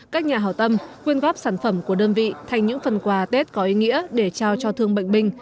các nhà hào tâm quyên góp sản phẩm của đơn vị thành những phần quà tết có ý nghĩa để trao cho thương bệnh binh